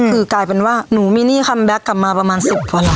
คือกลายเป็นว่าหนูมีนี่คันแบคกลับมาประมาณ๑๐วันแล้ว